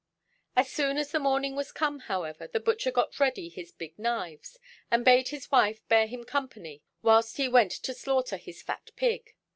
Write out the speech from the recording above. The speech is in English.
As soon as the morning was come, however, the butcher got ready his big knives, and bade his wife bear him company whilst he went to slaughter his fat pig.